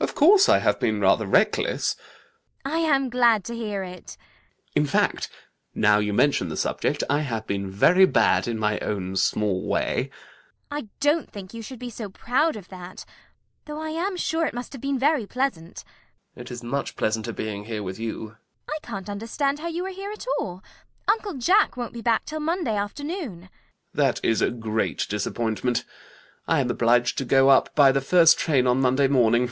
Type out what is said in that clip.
Of course I have been rather reckless. CECILY. I am glad to hear it. ALGERNON. In fact, now you mention the subject, I have been very bad in my own small way. CECILY. I don't think you should be so proud of that, though I am sure it must have been very pleasant. ALGERNON. It is much pleasanter being here with you. CECILY. I can't understand how you are here at all. Uncle Jack won't be back till Monday afternoon. ALGERNON. That is a great disappointment. I am obliged to go up by the first train on Monday morning.